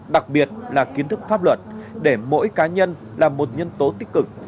đặc biệt là kiến thức pháp luật để mỗi cá nhân là một nhân tố tích cực